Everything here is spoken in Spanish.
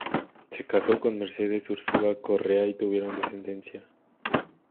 Se casó con Mercedes Urzúa Correa y tuvieron descendencia.